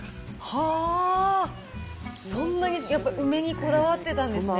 はぁ、そんなにやっぱ、梅にこだわってたんですね。